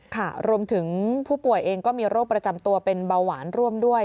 ค่ะรวมถึงผู้ป่วยเองก็มีโรคประจำตัวเป็นเบาหวานร่วมด้วย